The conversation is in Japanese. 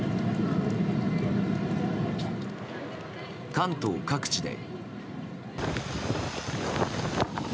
関東各地で。